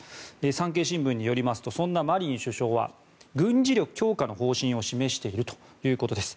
産経新聞によりますとそんなマリン首相は軍事力強化の方針を示しているということです。